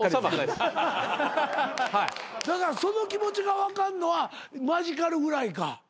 だからその気持ちが分かんのはマヂカルぐらいか。